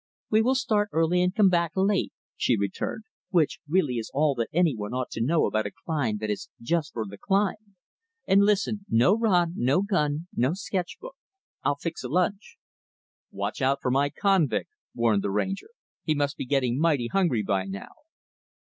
"We will start early and come back late" she returned "which really is all that any one ought to know about a climb that is just for the climb. And listen no rod, no gun, no sketch book. I'll fix a lunch." "Watch out for my convict," warned the Ranger. "He must be getting mighty hungry, by now."